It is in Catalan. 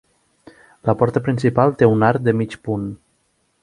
La porta principal té un arc de mig punt.